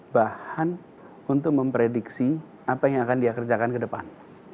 bahan untuk memprediksi apa yang akan dikerjakan ke depan